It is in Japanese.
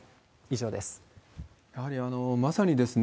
以上です。